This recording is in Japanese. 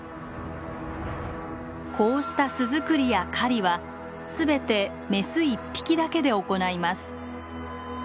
こうした巣作りや狩りは全てメス一匹だけで行います。